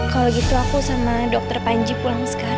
kalau gitu aku sama dokter panji pulang sekarang